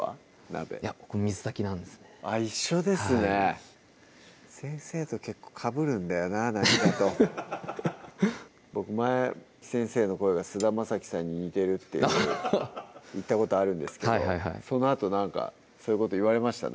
鍋僕水炊きなんですね一緒ですね先生と結構かぶるんだよな何かと僕前「先生の声が菅田将暉さんに似てる」って言ったことあるんですけどそのあと何かそういうこと言われました？